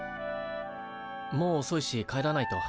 もうおそいし帰らないと。